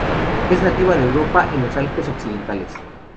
Es nativa de Europa en los Alpes occidentales.